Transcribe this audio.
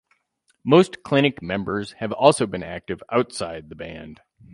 Most Klinik members have also been active outside the band.